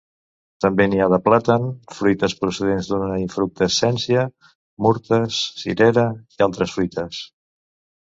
També n'hi ha de plàtan, fruites procedents d'una infructescència, murtes, cirera i altres fruites.